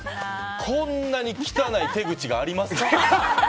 こんなに汚い手口がありますか？